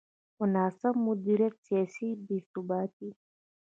خو ناسم مدیریت، سیاسي بې ثباتي.